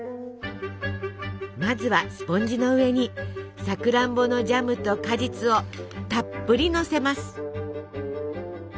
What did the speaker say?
まずはスポンジの上にさくらんぼのジャムと果実をたっぷりのせます。